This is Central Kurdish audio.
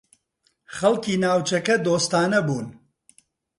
خەڵکی ناوچەکە دۆستانە بوون.